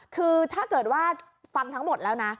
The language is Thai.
คือถ้าเกิดว่าฟังทั้งหมดแล้วนะ